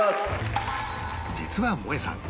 実はもえさん